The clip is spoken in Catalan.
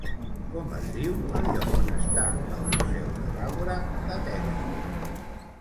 Com es diu el lloc on està el museu de l'Àgora d'Atenes?